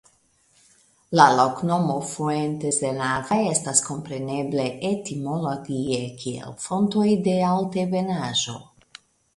La loknomo "Fuentes de Nava" estas komprenebla etimologie kiel Fontoj de Altebenaĵo.